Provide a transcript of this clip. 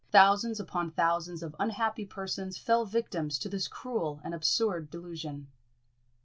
Thousands upon thousands of unhappy persons fell victims to this cruel and absurd delusion.